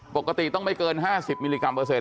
ปกติต้องไม่เกิน๕๐มิลลิกรัมเปอร์เซ็